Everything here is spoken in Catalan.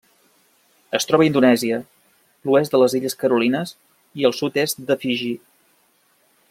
Es troba a Indonèsia, l'oest de les Illes Carolines i el sud-est de Fiji.